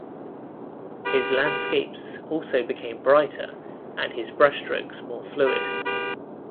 His landscapes also became brighter and his brushstrokes more fluid.